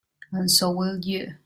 And so will you.